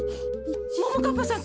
ももかっぱさん